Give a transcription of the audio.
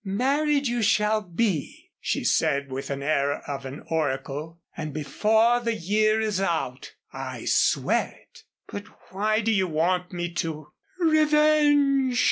"Married you shall be," she said with the air of an oracle, "and before the year is out. I swear it." "But why do you want me to " "Revenge!"